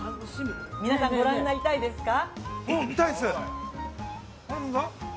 皆さんご覧になりたいですか。